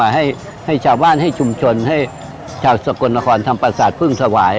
ให้ชาวบ้านให้ชุมชนให้ชาวสกลนครทำประสาทพึ่งสวาย